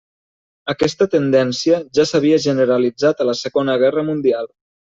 Aquesta tendència ja s'havia generalitzat a la Segona Guerra Mundial.